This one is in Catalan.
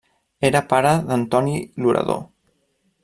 Era pare d'Antoni l'orador.